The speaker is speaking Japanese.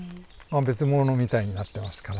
あ別物みたいになってますから。